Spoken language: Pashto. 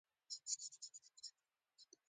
خولۍ د پګړۍ لاندې هم اغوستل کېږي.